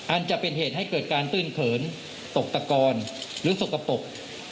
อาจจะเป็นเหตุให้เกิดการตื้นเขินตกตะกอนหรือสกปรก